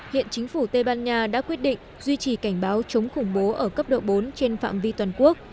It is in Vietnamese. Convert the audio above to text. hiện chính phủ tây ban nha đã quyết định duy trì cảnh báo chống khủng bố ở cấp độ bốn trên phạm vi toàn quốc